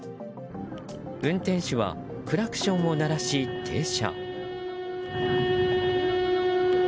運転手はクラクションを鳴らし、停車。